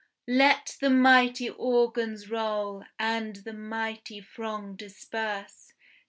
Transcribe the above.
Let the mighty organs roll, and the mighty throng disperse!